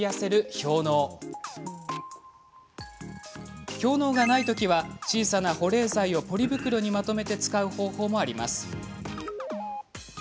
氷のうがないときは小さな保冷剤をポリ袋にまとめて使う方法もあります。